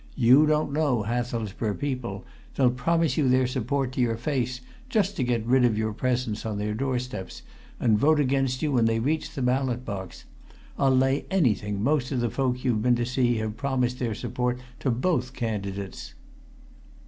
"You don't know Hathelsborough people! They'll promise you their support to your face just to get rid of your presence on their door steps and vote against you when they reach the ballot box. I'll lay anything most of the folk you've been to see have promised their support to both candidates."